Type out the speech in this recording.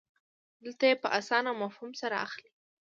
دلته یې په اسانه مفهوم سره اخلئ.